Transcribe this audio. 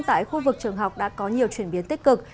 tại khu vực trường học đã có nhiều chuyển biến tích cực